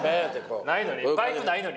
ないのに？